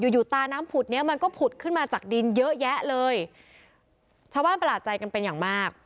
อยู่อยู่ตาน้ำผุดเนี้ยมันก็ผุดขึ้นมาจากดินเยอะแยะเลยชาวบ้านประหลาดใจกันเป็นอย่างมาก